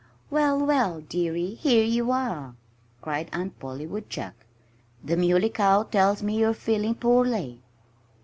"Well, well, dearie! Here you are!" cried Aunt Polly Woodchuck. "The Muley Cow tells me you're feeling poorly.